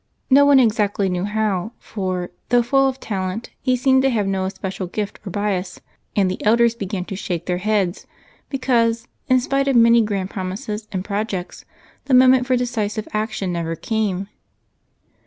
No one exactly knew how, for, though full of talent, he seemed to have no especial gift or bias, and the elders began to shake their heads because, in spite of many grand promises and projects, the moment for decisive action never came.